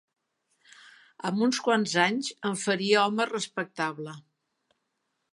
Amb uns quants anys em faria home respectable.